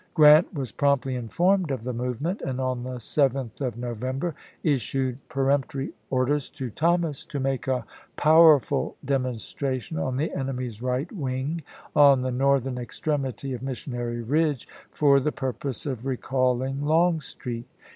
Grant was promptly informed of the movement, and on the 7th of November issued per emptory orders to Thomas to make a powerful dem onstration on the enemy's right wing on the northern extremity of Missionary Ridge for the purpose of re calling Lougstreet.